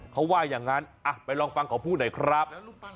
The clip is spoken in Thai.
เขาว่าอย่างนั้นไปลองฟังเขาพูดหน่อยครับ